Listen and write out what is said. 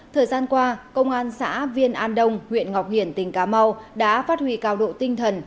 thời gian qua công an xã viên an đông huyện ngọc hiển tỉnh cà mau đã phát huy cao độ tinh thần